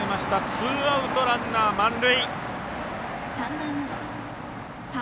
ツーアウト、ランナー満塁。